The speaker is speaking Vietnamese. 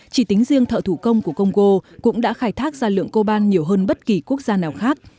chỉ tính riêng thợ thủ công của congo cũng đã khai thác ra lượng coban nhiều hơn bất kỳ quốc gia nào khác